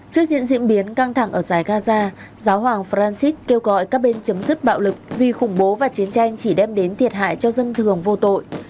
trước những diễn biến căng thẳng ở giải gaza giáo hoàng francis kêu gọi các bên chấm dứt bạo lực vì khủng bố và chiến tranh chỉ đem đến thiệt hại cho dân thường vô tội